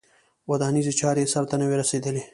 ودانیزې چارې یې سرته نه وې رسېدلې.